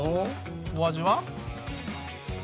お味は？